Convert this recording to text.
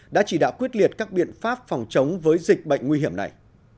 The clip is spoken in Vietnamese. đã chỉ đạo quyết liệt các biện pháp phòng chống với dịch bệnh nguy hiểm này